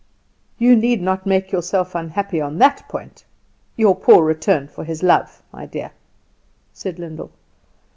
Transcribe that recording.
"You need not make yourself unhappy on that point your poor return for his love, my dear," said Lyndall.